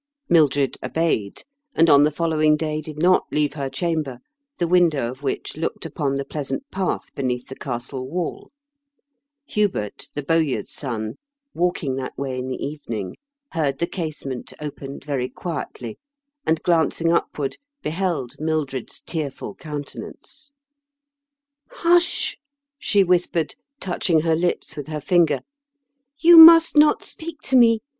Mildred obeyed, and on the following day did not leave her chamber, the window of which looked upon the pleasant path beneath the castle wall. Hubert, the bowyer's son, walking that way in the evening, heard the casement opened very quietly, and, glancing upward, beheld Mildred's tearful countenance. ± LEGEND OF GUNDULFH'8 TOWEB. 91 "Hush!" she whispered, touching her lips with her finger. "You must not speaJc to me.